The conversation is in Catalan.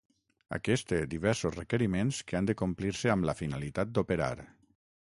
Aquest té diversos requeriments que han de complir-se amb la finalitat d'operar.